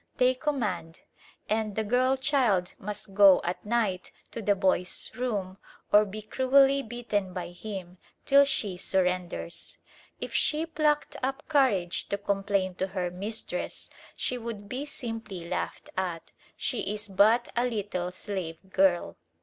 They command; and the girl child must go at night to the boy's room or be cruelly beaten by him till she surrenders. If she plucked up courage to complain to her mistress, she would be simply laughed at. She is but a little slave girl.